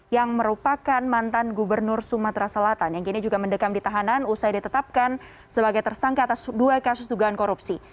yang merupakan mantan gubernur sumatera selatan yang kini juga mendekam di tahanan usai ditetapkan sebagai tersangka atas dua kasus dugaan korupsi